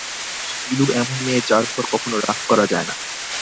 বীলু এমন মেয়ে, যার উপর কখনো রাগ করা যায় না।